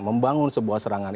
membangun sebuah serangan